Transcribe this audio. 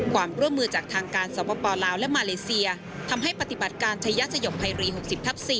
ความร่วมมือจากทางการสปลาวและมาเลเซียทำให้ปฏิบัติการชายสยบภัยรี๖๐ทับ๔